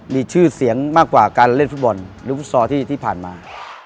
มีชื่อเสียงมากกว่าการเล่นฟุตบอลหรือฟุตซอลที่ผ่านมา